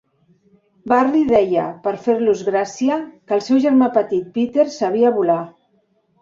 Barrie deia, per fer-los gràcia, que el seu germà petit Peter sabia volar.